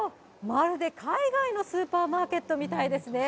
まるで海外のスーパーマーケットみたいですね。